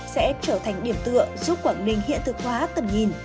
sẽ trở thành điểm tựa giúp quảng ninh hiện thực hóa tầm nhìn